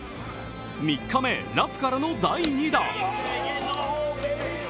３日目、ラフからの第２打。